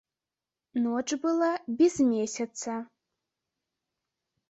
Ноч была без месяца.